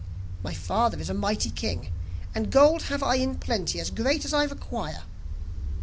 'My father is a mighty king, and gold have I in plenty as great as I require.